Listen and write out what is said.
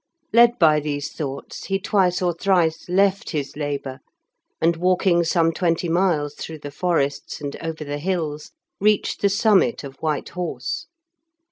Led by these thoughts he twice or thrice left his labour, and walking some twenty miles through the forests, and over the hills, reached the summit of White Horse.